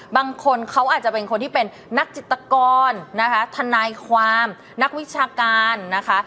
บางคนเขาอาจจะเป็นคนที่เป็นนักจิตกรนะคะทนายความนักวิชาการนะคะ